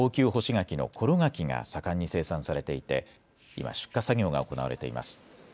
柿が盛んに生産されていて今、出荷作業が行われています。